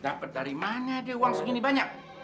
dapet dari mana deh uang segini banyak